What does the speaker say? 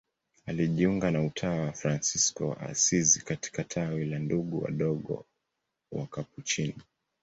Alijiunga na utawa wa Fransisko wa Asizi katika tawi la Ndugu Wadogo Wakapuchini.